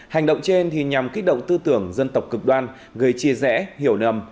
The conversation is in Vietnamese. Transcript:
hành động trên nhằm kích động tư tưởng dân tộc cực đoan gây chia rẽ hiểu nầm